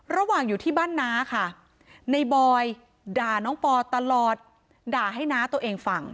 อยู่ที่บ้านน้าค่ะในบอยด่าน้องปอตลอดด่าให้น้าตัวเองฟัง